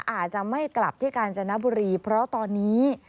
อาจจะไม่กลับที่กาญจนบุรีเพราะตอนนี้